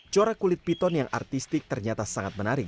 corak kulit piton yang artistik ternyata sangat menarik